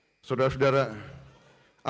apakah negara yang tidak mampu menjamin bahan bakarnya